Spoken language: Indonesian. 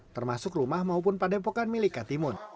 termasuk rumah maupun padepokan milik katimun